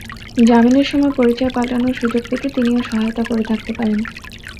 জামিনের সময় পরিচয় পাল্টানোর সুযোগ পেতে তিনিও সহায়তা করে থাকতে পারেন।